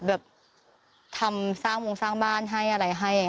แบบทำสร้างวงสร้างบ้านให้อะไรให้